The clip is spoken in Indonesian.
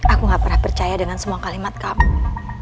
aku gak pernah percaya dengan semua kalimat kamu